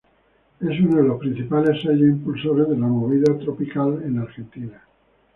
Es uno de los principales sellos impulsores de la movida tropical en Argentina.